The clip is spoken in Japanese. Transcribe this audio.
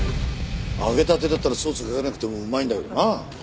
揚げたてだったらソースかけなくてもうまいんだけどな。